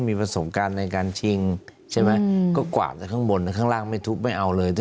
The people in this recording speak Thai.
ทีนี้คือ